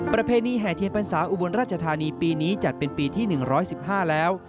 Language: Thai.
ประเพณีแห่เทียนพรรษาอุบลราชธานีปีนี้จัดเป็นปีที่๑๑๕แล้ว